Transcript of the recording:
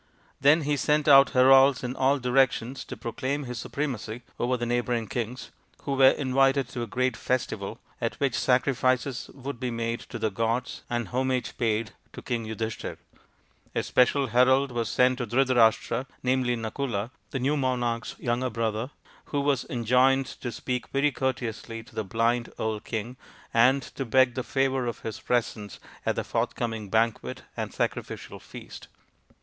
Then he sent out heralds in all directions to proclaim his supremacy over the neighbouring kings, who were invited to a great festival, at which sacrifices would be made to the gods and homage paid to King Yudhishthir. A special herald was sent to Dhrita rashtra, namely Nakula, the new monarch's younger brother, who was enjoined to speak very courteously to the blind old king, and to beg the favour of his presence at the forthcoming banquet and sacrificial feast.